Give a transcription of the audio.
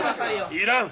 いらん！